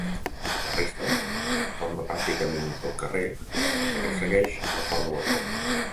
La resta, forma pràcticament un sol carrer, que ressegueix la forma del poble.